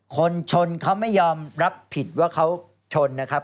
คนชนเขาไม่ยอมรับผิดว่าเขาชนนะครับ